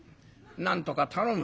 「なんとか頼む」。